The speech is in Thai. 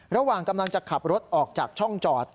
ระหว่างกำลังจะขับรถออกจากช่องจอด